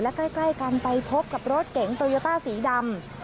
และใกล้กันไปพบกับรถเก๋งโตโยต้าสีดำ